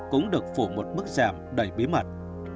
cũng được phủ một bức giảm đầy bí mật